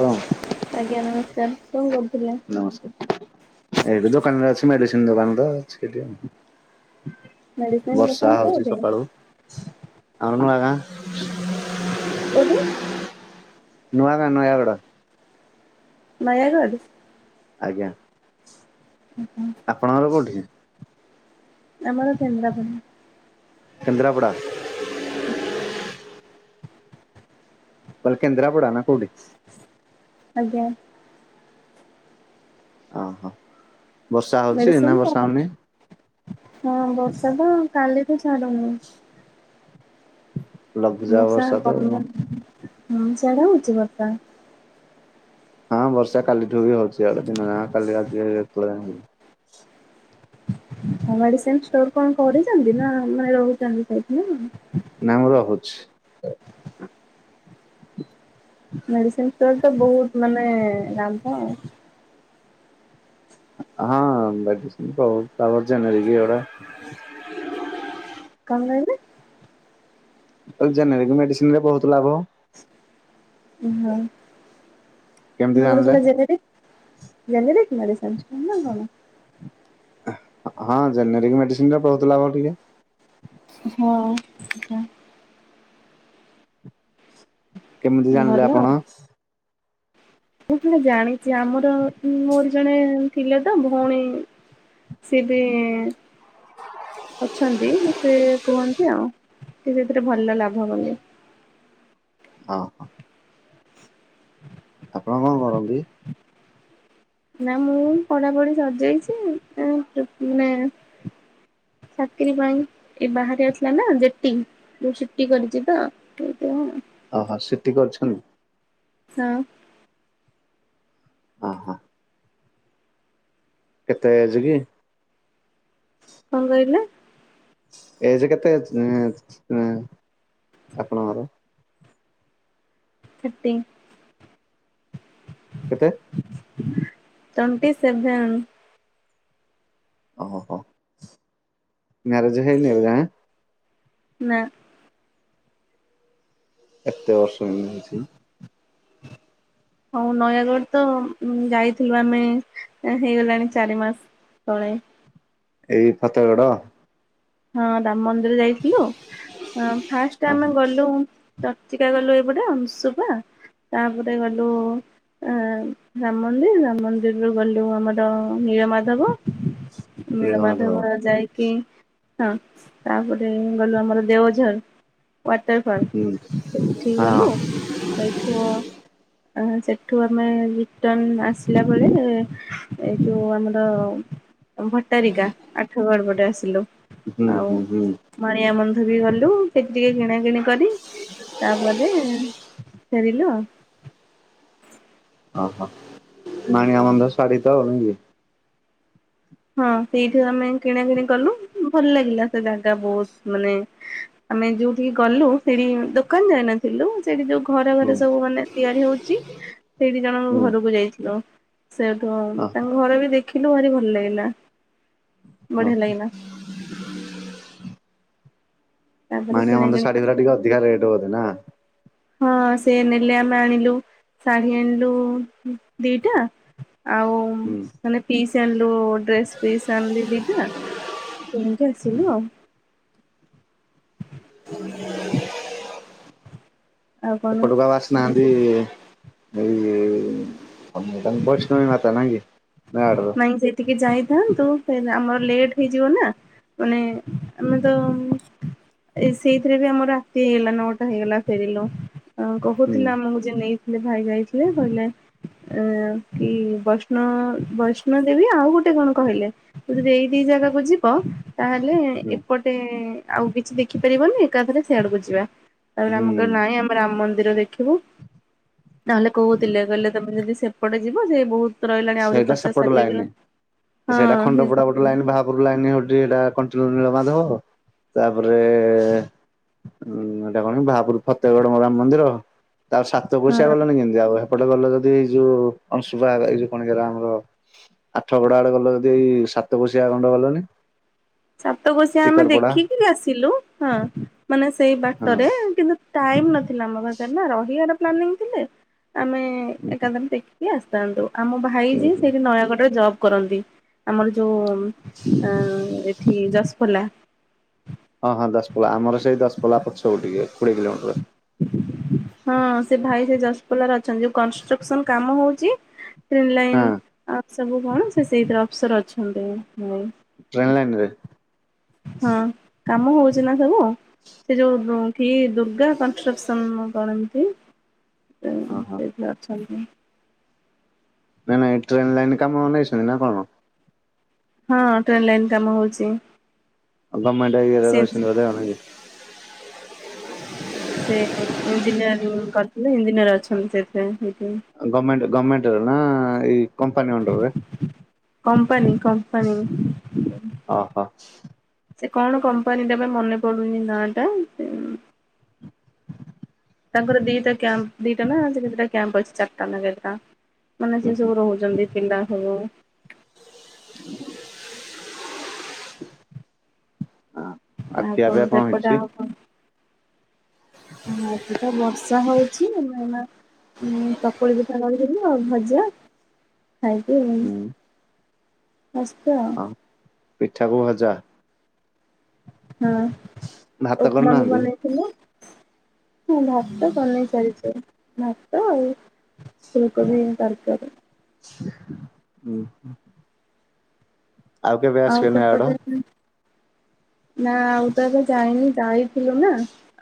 ହଁ। ଆଜ୍ଞା ନମସ୍କାର କଣ କରୁ ନମସ୍କାର ଏଇଠି ଦୋକାନରେ ଅଛି ମେଡିସିନ ଦୋକାନରେ, ତ ଅଛି ଏଇଠି ଆଉ। ମେଡିସିନ ଦୋକାନ ବର୍ଷା ହଉଛି କୋଉଠି ସକାଳୁ, ଆମ ଗାଁ [unintelligible] କୋଉଠି? ନୁଆ ଗାଁ ନୂଆଗଡ। ନୟା ଗଡ଼। ଆଜ୍ଞା। ଆପଣଙ୍କର କୋଉଠି ଆମର କେନ୍ଦ୍ରାପଡା କେନ୍ଦ୍ରାପଡ଼ା ବାଲ କେନ୍ଦ୍ରାପଡ଼ା ନା କଉଠି [inaudible] ଆଜ୍ଞା ଓହୋ ବର୍ଷା ହଉଛି ମେଡିସିନ ଏନା କଣ? ବର୍ଷା ହଉନି ହଁ ବର୍ଷା ତ କାଲିଠୁ ଛାଡୁନି ଲଘୁଚାପ ମୂଷା ବର୍ଷା ତ କ ହଁ ସେଟା ହଉଛି ବର୍ଷା [unintelligible] ହଁ ବର୍ଷା କାଲିଠୁ ବି ହଉଛି ଇଆଡେ ଦିନ ଯା କାଲି ରାତିଳେ [inaudible] ହଁ ମେଡିସିନ ଷ୍ଟୋର କଣ କରିଛନ୍ତି ନା ମାନେ ରହୁଛନ୍ତି ସେଠି ନାମ ରହୁଛି। ମେଡିସିନ ଷ୍ଟୋର ତ ବହୁତ ମାନେ ଲାଭ। ହଁ ବହୁତ ଆବର୍ଜନରେିକଟା [inaudible] କଣ କହିଲେ ଜେନେରିକ ମେଡିସିନରେ ବହୁତ ଲାଭ। ଉ ହଁ କେମିତି ତମର ଜାଣିଲେ ସେଟା ଜେନେରିକ ଜେନେରିକ ମେଡିସିନ୍ ଆୟୁଷ୍ମାନ ନା କଣ ହଁ ଜେନେରିକ ମେଡିସିନରେ ବହୁତ ଲାଭ ଟିକେ ହଁ ସୋ [inaudible] କେମିତି ଜାଣିଲେ ଭଲ ଆଉ। ଆପଣ ମୁଁ କଣ ଜାଣିଛି ଆମର ମୋର ଜଣେ ଥିଲେ ତ ଭଉଣୀ ସେ ବି ଅଛନ୍ତି ସେ କୁହନ୍ତି ଆଉ ସେ ସେଥିରେ ଭଲ ଲାଭ ବୋଲି ହଁ ହଁ ଆପଣ କଣ କରନ୍ତି ନା ମୁଁ ପଢାପଢି ସରିଯାଇଛି ମାନେ ହଁ [inaudible] ଚାକିରି ପାଇଁ ଏ ବାହାରେ ଆସିଲା ନା ଜେଟି ଯୋଉ ସିଟି କରିଛି ତ ହଁ ଓହୋ ସିଟି କରିଛନ୍ ହଁ ହ ହୋ କେତେ ଏଜ୍ କି କଣ କହିଲେ ଏଜ୍ କେତେ ଆପଣଙ୍କର ଥାଟି କେତେ ଟୋଣ୍ଟି ସେଭେନ୍ ଓୋହୋ ମ୍ୟାରେଜ୍ ହେଇନି ଏବେ ହାଁ ନା ଏତେ ଅସୁବ ହେଛି [inaudible] ହଁ ନୟାଗଡ ତ ଯାଇଥିଲୁ ଆମେ ହେଇଗଲାଣି ଚାରି ମାସ ତଳେ ଏଇ ଫତେଗଡ ହଁ ରାମ ମନ୍ଦିର ଯାଇଥିଲୁ ଫାଷ୍ଟ ଆମେ ଗଲୁ ଚର୍ଚିକା ଗଲୁ ଏଇପଟେ ଅଂଶୁପା ତାପରେ ଗଲୁ ଆ ରାମ ମନ୍ଦିର ରାମ ମନ୍ଦିରରୁୁ ଗଲୁ ଆମର ନୀଳମାଧବ ନୀଳମାଧବ। ନୀଳମାଧମ ଯାଇକି ହଁ ତାପରେ ଗଲୁ ଆମର ଦେଓଝର ୱାଟର୍ ହୁଁ ଫଲ୍ ସେଇଠି ହଁ ଗଲୁ ସେଇଠୁ ସେଠୁ ଆମେ ରିଟର୍ଣ ଆସିଲା ବେଳେ ଏ ଯୋଉ ଆମର ଭଟାରିକା ଆଠ ଗଡ ପଟେ ଆସିଲୁ। ହୁଁ ଆଉ ହୁଁ ହୁଁ। ମାଣିଆ ବନ୍ଧ ବି ଗଲୁ ସେଠି ଟିକେ କିଣା କିିଣି କରି ତାପରେ ଫେରିଲୁ ଆଉ। ଓ ହୋ ମାଣିଆ ଵନ୍ଧ ସାଡ଼ି ତ [unintelligible] ହଁ ସେଇଠୁ ଆମେ କିଣା କିିଣି କଲୁ ଭଲ ଲାଗିଲା ସେ ଜାଗା ବହୁତ ମାନେ ଆମେ ଯୋଉଠିକି ଗଲୁ ସେଠି ଦୋକାନ ଯାଇନଥିଲୁ ସେଠି ଯୋଉ ଘରେ ହୁଁ ଘରେ ସବୁ ମାନେ ତିଆରି ହଉଛି ସେଇଠି ଜଣଙ୍କ ହୁଁ ଘରକୁ ଯାଇଥିଲୁ ସେଠୁ ଓହୋ ତାଙ୍କ ଘରେ ବି ଦେଖିଲୁ, ଭାରି ଭଲ ଲାଗିଲା। ଓ। ବଢିଆ ଲାଗିଲା ତାପରେ ମାଣୀଆ କିଣା ବନ୍ଧ କିିଣି ଶାଢୀ ଗୁଡ଼ାକ କରି ଟିକେ ଅଧିକା ରେଟ୍ ବୋଧେ ନା ହଁ ସେ ନେଲେ ଆମେ ଆଣିଲୁ ଶାଢୀ ଆଣିଲୁ ଦିଟା ଆଉ ହୁଁ ମାନେ ପିସ୍ ଆଣିଲୁ ଡ୍ରେସ୍ ପିସ୍ ଆଣିଲି ଦିଟା ଏମ୍ତି ଆସିଲୁ ଆଉ [inaudible] ଆଉ କଣ ଏପଟକୁ ଆଉ ଆସିନାହାନ୍ତି। ଏଇ [unintelligible] ବୈଷ୍ଣବୀ ମାତା ନାଇକୀ। ନାଇଁ ସେଠିକି ଯାଇଥାନ୍ତୁ, ଆମର ଲେଟ ହେଇଯିବ ନା ମାନେ ଆମେ ତ ସେଇଥିରେ ବି ଆମ ରାତି ହେଇଗଲା, ନଅଟା ହେଇଗଲା ଫେରିଲୁ ହୁଁ କହୁଥିଲା ଆମକୁ ଯେ ନେଇଥିଲେ ଭାଇ ଯାଇଥିଲେ କହିଲେ କି ବୈଷ୍ଣ ହଁ ବୈଷ୍ଣୋଦେବୀ ଆଉ ଗୋଟେ କଣ କହିଲେ ତ ଯଦି ଏଇ ଦି ଜାଗା ଵୁଝିବ ତାହେଲେ ହୁଁ ଏପଟେ ଆଉ କିଛି ଦେଖିପାରିବନି, ଏକାଥରେ ସେଆଡକୁ ଯିବା ତାପରେ ହୁଁ ଆମ କହିଲୁ ନାହିଁ ଆମ ରାମ ମନ୍ଦିର ଦେଖିବା ନହେଲେ କହୁଥିଲେ କହିଲେ ତମେ ଯଦି ସେପଟେ ଯିବ ସେ ବହୁତ ରହିଲାନି ଆହୁରି ସେଇଟା ପଚାଶ ସେପଟ ଷା ଲାଇନ ସେଇଟା ଖଣ୍ଡପୋଡା ଗୋଟେ କହିଲେ ଲାଇନ ବାହାପରୁ ଲାଇନ [unintelligible] ନୀଳମାଧବ ତାପରେ ଉଁ ଏଇଟା କଣ ବାହାପୁର ଫତେଗଡ ମ ରାମ ମନ୍ଦିର ତା ସାତ ପୋଶିଆ ହଁ ଗଲେଣିି କେମିତି ଆଉ ସେପଟ ଗଲେ ଯଦିଇ ଯୋଉ [unintelligible] ଅଣଶୁଭଇଉ କଣ ଆମର ଆଠ କଡ ଆଡେ ଗଲ ଯଦି ଏଇ ସାତ ପୋଶିଆ ଗଣ୍ଡ ଗଲନି ସାତକୋଶିଆ ଆମେ ଟିକରପଡା ଦେଖିକିରି ଆସିଲୁ ହଁ ମାନେ ସେଇ ହଁ ବାଟରେ କିନ୍ତୁ ଟାଇମ ନଥିଲା ଆମ ପାଖରେ ନା ରହିବାର ପ୍ଲାନିଂ ଥିଲେ, ଆମେ ଏକାଥରେ ଦେଖି ଆସିଥାନ୍ତୁ ଆମ ଭାଇ ବି ସେଇଠି ନୟାଗଡ଼ରେ ଜବ୍ କରନ୍ତି, ଆମର ଯୋଉ ହାଁ। ଦଶପଲା ହଁ ହଁ ଦଶପୋଲା ଆମର ସେଇ ଦଶ ପୋଲା ପଛକୁ ଟିକେ କୋଡିଏ କିଲୋମିଟର ହଁ ସେ ଭାଇ ସେ ଯଶପଲାର ଅଛନ୍ତି ଯୋଉ କନଷ୍ଟ୍ରକ୍ସନ କାମ ହଉଛି ଟ୍ରେନ୍ ହଁ ଲାଇନ୍ ଆଉ ସବୁ କଣ ସେ ସେଇଥିରେ ଅଫସର ଅଛନ୍ତି୍। ଟ୍ରେନ୍ ଲାଇନରେ ହଁ କାମ ହଉଛି ନା ସବୁ ସେ ଯୋଉ କି ଦୁର୍ଗା କନଷ୍ଟ୍ରକ୍ସନ କଣ ଏମତି ଓହୋ ସେଠି ଅଛନ୍ତି। ନାଇଁ ନାଇଁ ଟ୍ରେନ ଲାଇନରେ କାମନେଇଛନ୍ତି ନା କଣ? ହଁ ଟ୍ରେନ୍ ଲାଇନ୍ କାମ ହଉଛି। [unintelligible] ଆପମଟରେ ସେ ରଶଣ ସେ ଇଞ୍ଜିନିୟରିଂ କରିଥିଲେ ଇଞ୍ଜିନିୟର ଅଛନ୍ତି ସେଥି ଗର୍ମେଣ୍ଟ ଗୋର୍ଣ୍ମେଣ୍ଟର ନା ଏ କମ୍ପାନି ଅଣ୍ଡର୍ ରେ କମ୍ପାନୀ କମ୍ପାନୀ ଓହୋ ସେ କଣ କମ୍ପାନୀଟା ପା ମନେ ପଡୁନି ନା ଟା ସେ ତାଙ୍କର ଦିଟା କ୍ୟାମ୍ପ ଦିଟା ନା ସେ କେତେଟା କ୍ୟାମ୍ପ ଅଛି ଚାରଟା ନା କେତେଟା। ମାନେ ଉଁ ସିଏ ହୁଁ ସବୁ ରହୁଚନ୍ତି ପିିଲା ସବୁ। ହଁ। ଆଉ ଖିଆ ପିଆ କଣ ହେଇଛି? ହଁ ଆଜି ତ ବର୍ଷା ହୋଉ ଛି ଆମେ ଏଇନା ଉଁ ଚକୁଳି ପିଠା କରିଥିଲି ଆଉ ଭଜା। ଖାଇକି ହୁଁ ବେସ୍ତ ଆଉ। ହଁ ପିଠାକୁ ଭଜା? ହଁ ଭାତ ଉପମା ବି କରିନାହାନ୍ତି ବନେଇଥିଲି। ହଁ ଭାତ ବନେଇ ସାରିଛି। ଭାତ ଆଉ ଫୁଲକୋବି ତରକାରୀ। ଓହୋ। ଆଉ କେବେ ଆସିବେନି ୟାଡ? ନା ଆଉ ତ ଏବେ ଯାଇନି ଯାଇଥିଲୁ ନା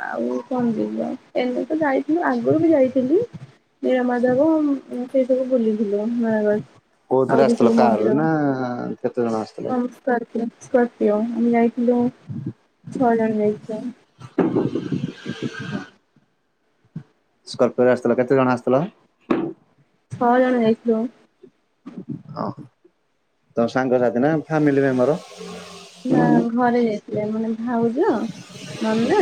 ଆଉ କଣ ଯିବା ଏଇନା ତ ଯାଇଥି ଲି ଆଗରୁ ବି ଯାଇଥିଲି ନୀଳମାଧବ ଉଁ ସେଇ ସବୁ ବୁଲି ଥିଲୁ ନୟାଗଡ କୋଉଥିରେ ଆହୁରି ଆସିଥିଲ ସବୁ କାରରେ ମନ୍ଦିର ନା କେତେ ଜଣ ଆସିଥିଲେ? [unintelligible] ଆମେ ଯାଇଥିଲୁ ଛଅ ଜଣ ଯାଇଥିଲୁ। [inaudible] ସ୍କର୍ପିଓରେ ଆସିଥିଲ କେତେ ଜଣ ଆସିଥିଲ? ଛଅ ଜଣ ଯାଇଥିଲୁ। ଓ ତମ ସାଙ୍ଗସାଥି ନା ଫ୍ୟାମିଲି ମେମ୍ବର। ନା ଘରେ ଯାଇଥିଲେ ମାନେ ଭାଉଜ ନନା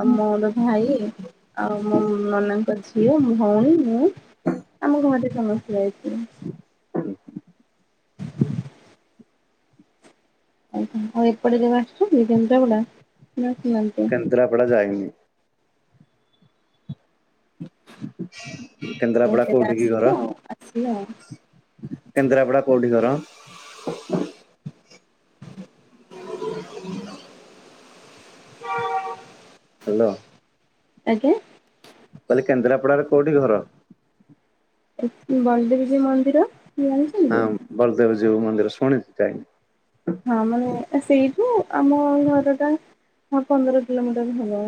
ଆଉ ମୋର ଭାଇ, ଆଉ ମୋ ନନାଙ୍କ ଝିଅ, ଭୋଉଣୀ, ମୁଁ ଆମ ଘରେ ସମସ୍ତେ ଯାଇ [unintelligible] ଆଉ ଏପଟେ କେବେ ଆସୁଚି କେନ୍ଦ୍ରାପଡ଼ା କେନ୍ଦ୍ରାପଡ଼ା ଯାଇନି। [inaudible] ଆଉ କେନ୍ଦ୍ରାପଡା କେବେ କୋଉଠି କି ଆସିବେ ଘର, ଆଉ ଆସିଲେ ଆଉ କେନ୍ଦ୍ରାପଡା କୋଉଠି ଘର? [inaudible] ହାଲୋ। ଆଜ୍ଞା? କହିଲି କେନ୍ଦ୍ରାପଡାରେ କୋଉଠି ଘର? ଏ ବଳଦେବଜୀଉ ମନ୍ଦିର। ହଁ ଜାଣିଛନ୍ତି? ବଳଦେବଜୀଉ ମନ୍ଦିର ଶୁଣିଚି ଯାଇନି। ହଁ ମାନେ ଏ ସେଇଠୁ ଆମ ଘରଟା ହଁ ପନ୍ଦର କିିଲୋମିଟର ହବ।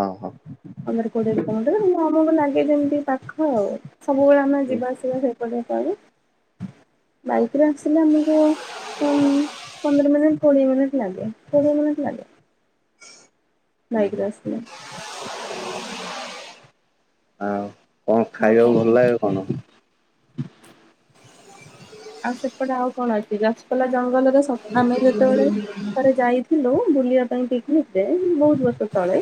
ଅହ। ଏଇ ଯେମିତି ପାଖ ଆଉ ସବୁବେଳେ ଆମେ ଯିବା ଆସିବା ସେପଟରେ କରୁ ବାଇ କରେ ଆସିଲେ ଆମକୁ ଉଁ ପନ୍ଦର ମିନିଟ କୋଡିଏ ମିନିଟ ଲାଗେ କୋଡିଏ ମିନିଟ ଲାଗେ ହଁ [inaudible] ବାଇକରେ ଆସିଲେ। ଆଉ କଣ ହଉ ଖାଇବାକୁ ତାହେଲେ ଭଲ ଲାଗେ କଣ? ଆଉ ସେପଟେ ଆଉ କଣ ଅଛି ରସପଲା ଜଙ୍ଗଲରେ ସ ଆମେ ଯେତେବେଳେ ଥରେ ଯାଇଥିଲୁ ବୁଲିବା ପାଇଁ ପିକନିକ ରେ ବୋହୁତ ବର୍ଷ ତଳେ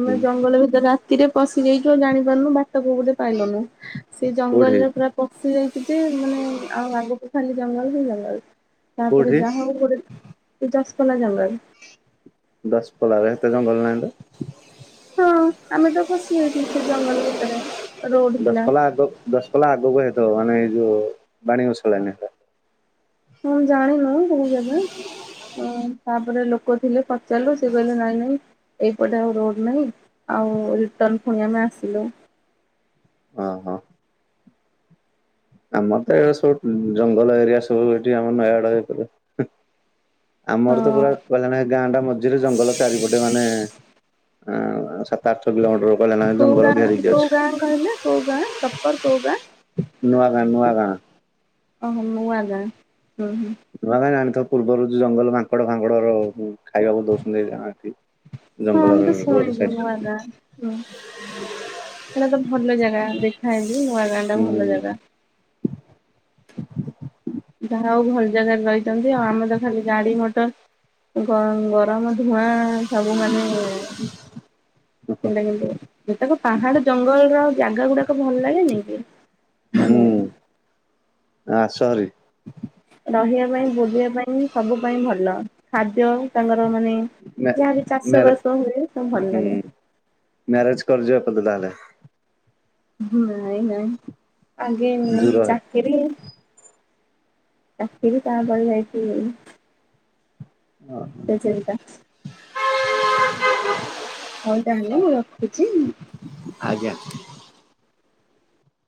ଆମେ ହୁଁ ଜଙ୍ଗଲ ଭିତରେ ରା ତିରେ ପଶିଯାଇଚୁ ଆଉ ଜାଣିପାରୁନୁ ବାଟ କୋଉ ପଟେ ପାଇଲୁନୁ ସେ କୋଉଠି ଜଙ୍ଗଲରେ ପୁରା ପଶିଯାଇ ନ୍ତି ମାନେ ଆଉ ଆଗକୁ ଖାଲି ଜଙ୍ଗଲ ହିଁ ଜଙ୍ଗଲ। ତାପରେ କୋଉଠି? ଯାହାହୋଉ [unintelligible] ଏଇ ଦଶପଲା ଜଙ୍ଗଲ। ଦଶପଲାରେ ଏତେ ଜଙ୍ଗଲ ନା ଟା। ହଁ ଆମେ ତ ଫସି ଯାଇଥିଲୁ ସେ ଜଙ୍ଗଲ ଭିତରେ। ରୋଡ ଥିଲା ଦଶପଲା ଆଗକୁ ଦଶପଲା ଆଗକୁ ହେଇଥିବ। ମାନେ। [unintelligible] ମୁଁ ଜାଣିନୁ [unintelligible] ଜାଗା। ହୁଁ। ତାପରେ ଲୋକ ଥିଲେ ପଚାରିଲୁ ସେ କହିଲେ ନାଇଁ ନାଇଁ। ଏଇପଟେ ଆଉ ରୋଡ ନାହିଁ। ଆଉ ରିଟର୍ନ ପୁଣି ଆମେ ଆସିଲୁ। [inaudible] ଓ ହଁ। ଆମର ତ ଏଇରା ସବୁ ଜଙ୍ଗଲ ଏରିଆ ସବୁ ଏଠି ଆମ ନୟାଗଡ ଭିତରେ। ଆମର ତ ପୁରା ହଁ କହିଲାଣି ଗାଁଟା ମଝିରେ ଜଙ୍ଗଲ ଚାରିପଟେ ମାନେ ଆ ସାତ ଆଠ କିଲୋମି କୋଉ ଗାଁ କୋଉ ଗାଁ କହିଲ କୋଉ ଗାଁ ପ୍ରପର୍ କୋଉ ଗାଁ? ନୂଆ [unintelligible] ଓ ହୋ। ନୂଆ ଗାଁ। ହୁଁ ହୁଁ ନୂଆ ଗାଁ ଜାଣିଥିବ ପୂର୍ବରୁ ଯୋଉ ଜଙ୍ଗଲ ମାଙ୍କଡ ଫାଙ୍କଡର ଖାଇବାକୁ ଦଉଛନ୍ତି ଯାହା ହଁ ଆମେ ଜଙ୍ଗଲର ତ ରୋଡ ଶୁଣିଛୁ ସାଇ ହେଟା ତ ଭଲ ଜାଗା। ଲେଖା ହେଇଚି ନୂଆ ଗାଁ ଟା ଭଲ ହୁଁ ଜାଗା ଯାହା ହଉ ଭଲ ଜାଗାରେ ରହିଛନ୍ତି ଆଉ। ଆମେ ତ ଖାଲି ଗାଡି ମଟର ଘ ଗରମ ଧୂଆଁ ସବୁ ମାନେ [unintelligible] ଯେତେକ ପାହାଡ ଜଙ୍ଗଲର ଜାଗା ଗୁଡାକ ଭଲ ଲାଗେନି କି। [unintelligible] ଆ ଆସ ଭାରି। ରହିବା ପାଇଁ ବୁଲିବା ପାଇଁ ସବୁ ପାଇଁ ଭଲ। ଖାଦ୍ୟ ବି ତାଙ୍କର ମାନେ ମ୍ୟା ଯାହାବି ଚାଷ ମ୍ୟାରେ ବାସ ହୁଏ ସବୁ ଭଲ ହୁଁ ଲାଗେ। ମ୍ୟାରେଜ [unintelligible] ନାଇଁ ନାଇଁ ଆଗେ ଦୂର ହେ ଚାକିରି [unintelligible] [unintelligible] ହଉ ତାହେଲେ ମୁଁ ରଖୁଚି। ଆଜ୍ଞା।